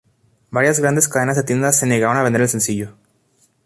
Varias grandes cadenas de tiendas se negaron a vender el sencillo.